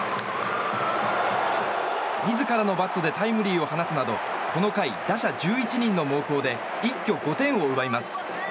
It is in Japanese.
自らのバットでタイムリーを放つなどこの回、打者１１人の猛攻で一挙５点を奪います。